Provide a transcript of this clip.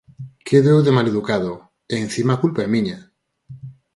Quedo eu de maleducado, ¡e encima a culpa é miña!